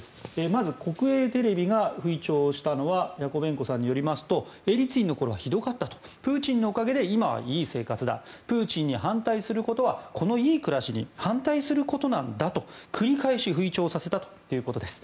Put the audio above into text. まず国営テレビが吹聴したのはヤコベンコさんによりますとエリツィンの頃はひどかったとプーチンのおかげで今はいい生活だプーチンに反対することはこのいい暮らしに反対することなんだと繰り返し吹聴させたということです。